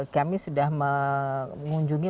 kami sudah mengunjungi